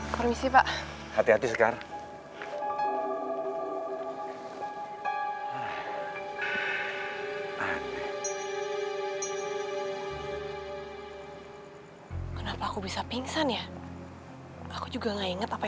sampai jumpa di video selanjutnya